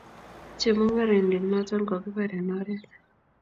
Chemungaraindet neton kokipar en oret